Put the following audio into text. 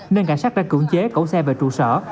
nên cảnh sát đã cưỡng chế cẩu xe về trụ sở